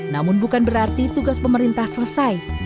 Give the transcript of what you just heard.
namun bukan berarti tugas pemerintah selesai